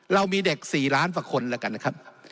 เรามีเด็ก๔ล้านกว่าคนแล้วกันนะครับ